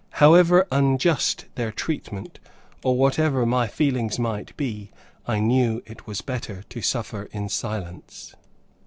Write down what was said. However unjust their treatment, or whatever my feelings might be, I knew it was better to suffer in silence.